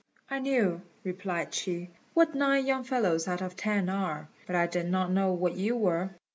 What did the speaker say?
"I knew," replied she, "what nine young fellows out of ten are; but I did not know what you were."